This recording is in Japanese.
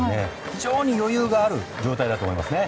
非常に余裕がある状態だと思いますね。